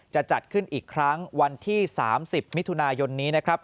จะจัดขึ้นอีกครั้งวันที่๓๐มิถุนายนนี้นะครับ